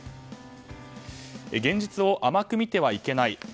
現実を甘く見てはいけない。